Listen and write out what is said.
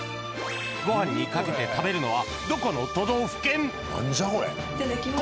ご飯にかけて食べるのはどこの都道府県？